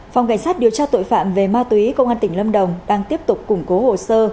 phòng cảnh sát điều tra tội phạm về ma túy công an tỉnh lâm đồng đang tiếp tục củng cố hồ sơ